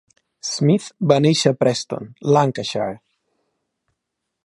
Smith va néixer a Preston, Lancashire.